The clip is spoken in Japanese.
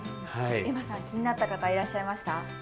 エマさん、気になった方いらっしゃいました？